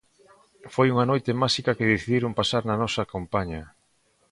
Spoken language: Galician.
Foi unha noite máxica que decidiron pasar na nosa compaña.